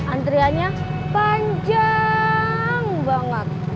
antriannya panjang banget